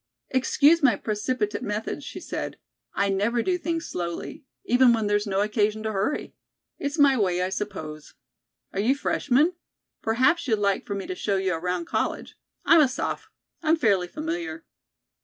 "Excuse my precipitate methods," she said. "I never do things slowly, even when there's no occasion to hurry. It's my way, I suppose. Are you freshmen? Perhaps you'd like for me to show you around college. I'm a soph. I'm fairly familiar."